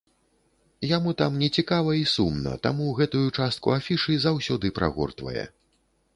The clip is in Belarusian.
Яму там нецікава і сумна, таму гэтую частку афішы заўсёды прагортвае.